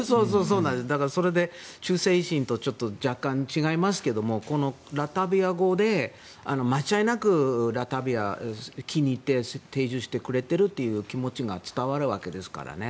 だから、それで忠誠心と若干違いますけれどこのラトビア語で間違いなくラトビアを気に入って定住してくれているという気持ちが伝わるわけですからね。